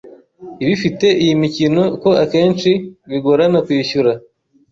ibifite iyi mikono ko akenshi bigorana kwishyura